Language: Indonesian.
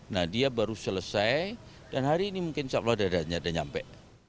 nah dia baru selesai dan hari ini mungkin insya allah dadanya sudah nyampe